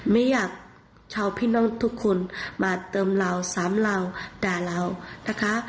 ไม่อยากชาวพี่น้องทุกคนมาเติมเราสามเหล่าด่าเรานะคะ